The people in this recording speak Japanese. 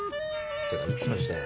ってかいつの時代よ？